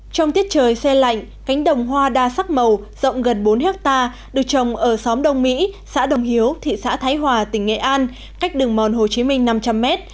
trong tiết trời xe lạnh cánh đồng hoa đa sắc màu rộng gần bốn hectare được trồng ở xóm đông mỹ xã đồng hiếu thị xã thái hòa tỉnh nghệ an cách đường mòn hồ chí minh năm trăm linh mét